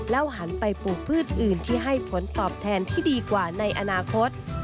หันไปปลูกพืชอื่นที่ให้ผลตอบแทนที่ดีกว่าในอนาคต